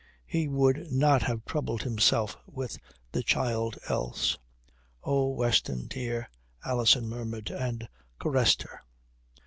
He would not have troubled himself with the child else." "Oh, Weston, dear," Alison murmured, and caressed her.